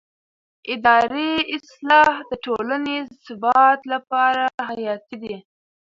اداري اصلاح د ټولنې ثبات لپاره حیاتي دی